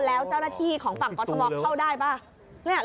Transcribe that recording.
แล้วเจ้าหน้าที่ของฝั่งกรทมเข้าได้ป่ะ